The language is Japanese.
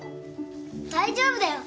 大丈夫だよ。